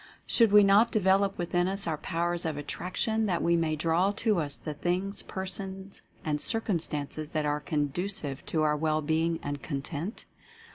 Should we not develop within us our Powers of Attraction, that we may draw to us the things, persons and circumstances that are conducive to our well being and content?